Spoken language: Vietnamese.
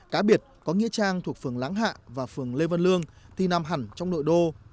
cá biệt có nghĩa trang thuộc phường láng hạ và phường lê văn lương thì nằm hẳn trong nội đô